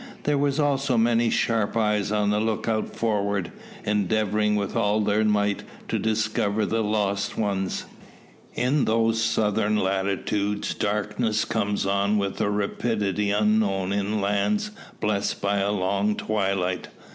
There were also many sharp eyes on the lookout forward, endeavouring with all their might to discover the lost ones. In those southern latitudes darkness comes on with a rapidity unknown in lands blessed by a long twilight.